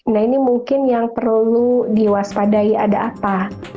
nah ini mungkin yang perlu diwaspadai ada apa